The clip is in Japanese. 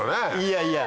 いやいや。